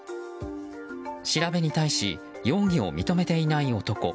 調べに対し容疑を認めていない男。